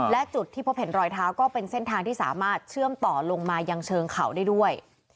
และจุดที่พบเห็นรอยเท้าก็เป็นเส้นทางที่สามารถเชื่อมต่อลงมายังเชิงเขาได้ด้วย